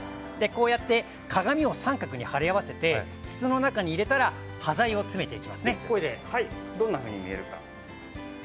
鏡を三角に張り合わせて筒の中に入れたら端材を詰めていきますね。